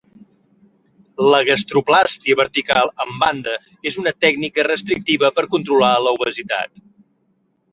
La gastroplàstia vertical amb banda és una tècnica restrictiva per controlar l'obesitat.